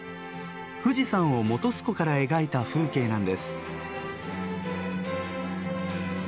富士山を本栖湖から描いた風景なんです。